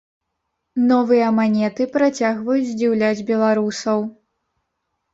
Новыя манеты працягваюць здзіўляць беларусаў.